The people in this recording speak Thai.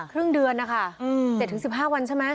ครึ่งเดือนนะคะอืมเจ็ดถึงสิบห้าวันใช่ไหม